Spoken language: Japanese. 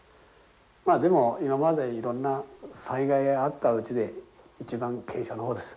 まあでも今までいろんな災害があったうちで一番軽傷の方です。